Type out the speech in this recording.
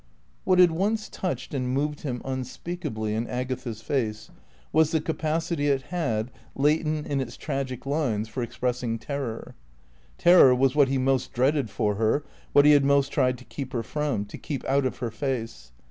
What had once touched and moved him unspeakably in Agatha's face was the capacity it had, latent in its tragic lines, for expressing terror. Terror was what he most dreaded for her, what he had most tried to keep her from, to keep out of her face.